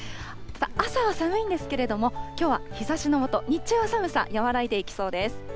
朝は寒いんですけれども、きょうは日ざしの下、日中は寒さ和らいでいきそうです。